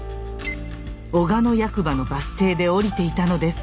小鹿野役場のバス停で降りていたのです。